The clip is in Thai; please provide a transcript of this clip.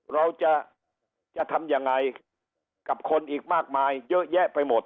เราจะจะทำยังไงกับคนอีกมากมายเยอะแยะไปหมด